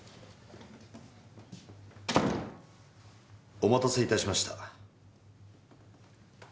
お待たせいたしました。